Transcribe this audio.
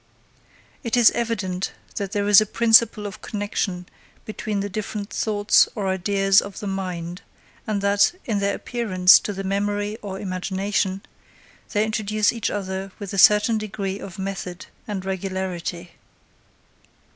18. It is evident that there is a principle of connexion between the different thoughts or ideas of the mind, and that, in their appearance to the memory or imagination, they introduce each other with a certain degree of method and regularity.